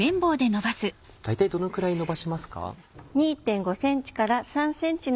大体どのくらいのばしますか？